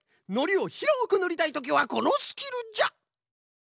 のりをひろくぬりたいときはこのスキルじゃ。